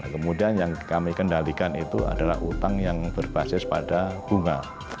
kemudian yang kami kendalikan itu adalah utang yang berbasis pada bunga